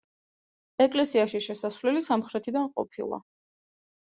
ეკლესიაში შესასვლელი სამხრეთიდან ყოფილა.